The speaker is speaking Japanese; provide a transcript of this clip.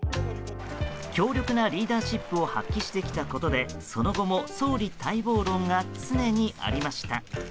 強力なリーダーシップを発揮してきたことでその後も総理待望論が常にありました。